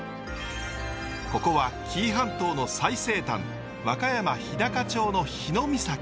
ここは紀伊半島の最西端和歌山・日高町の日ノ御埼。